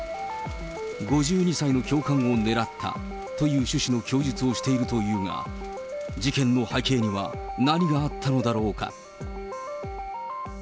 ５２歳の教官を狙ったという趣旨の供述をしているというが、事件の背景には何があったのだろうか。